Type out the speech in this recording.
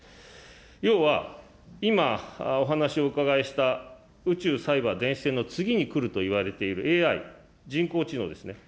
要は、今お話をお伺いした宇宙、サイバー、電子線の次に来るといわれているＡＩ・人工知能ですね。